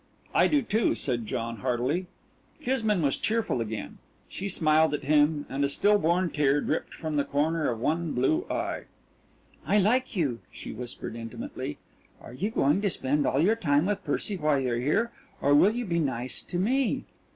"I do, too," said John, heartily. Kismine was cheerful again. She smiled at him, and a still born tear dripped from the corner of one blue eye. "I like you," she whispered intimately. "Are you going to spend all your time with Percy while you're here, or will you be nice to me?